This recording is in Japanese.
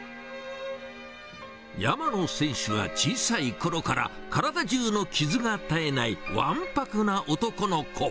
山野選手は小さいころから、体じゅうの傷が絶えないわんぱくな男の子。